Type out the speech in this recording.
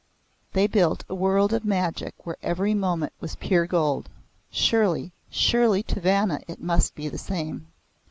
They built a world of magic where every moment was pure gold. Surely surely to Vanna it must be the same.